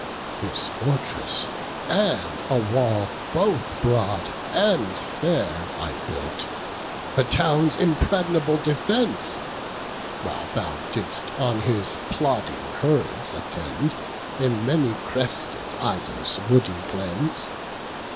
His fortress, and a wall both broad and fair I built, the town's impregnable defence; While thou didst on his plodding herds attend, In many crested Ida's woody glens.